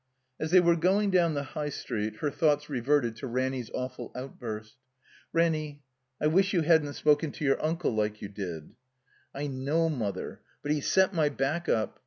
As they were going down the High Street, her thoughts reverted to Ranny's awful outburst. "Ranny, I wish you hadn't spoken to yotir tmde like you did." "I know. Mother — ^but he set my'^back up.